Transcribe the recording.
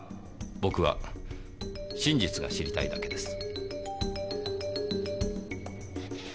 僕は真実が知りたいだけです。